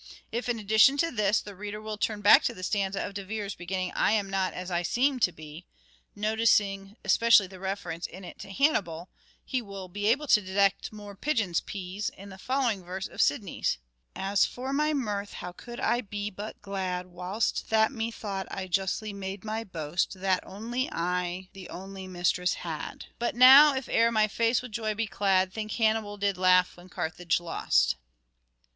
If, in addition to this, the reader will turn back to the stanza of De Vere's beginning " I am not as I seem to be," noticing especially the reference in it to Hannibal, he will be able to detect more " pigeon's pease " in the following verse of Sidney's :" As for my mirth, how could I be but glad, Whilst that methought I justly made my boast That only I the only mistress had ? But now, if e'er my face with joy be clad Think Hannibal did laugh when Carthage lost."